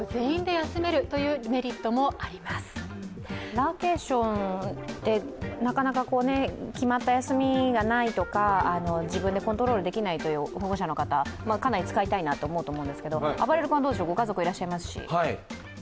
ラーケーションってなかなか決まった休みがないとか自分でコントロールできないという保護者の方、かなり使いたいなと思うと思うんですけど、ご家族いらっしゃいますしどうですか？